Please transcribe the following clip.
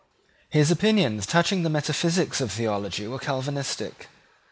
His opinions touching the metaphysics of theology were Calvinistic.